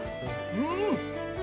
うん！